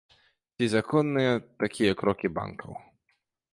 Ці законныя такія крокі банкаў?